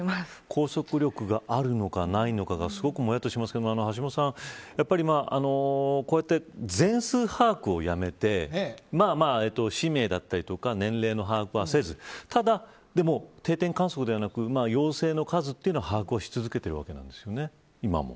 拘束力があるのかないのかがすごくもやっとしますけど、橋下さんこうやって全数把握をやめて氏名だったりとか年齢の把握はせずただ、でも定点観測ではなく陽性の数は把握し続けてるわけなんですよね、今も。